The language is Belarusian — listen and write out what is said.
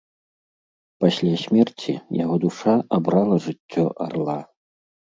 Пасля смерці яго душа абрала жыццё арла.